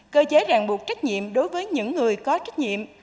cơ chế ràng buộc trách nhiệm đối với những người có trách nhiệm